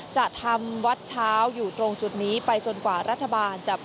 จะทำวัดเช้าอยู่ตรงจุดนี้ไปจนกว่ารัฐบาลจะ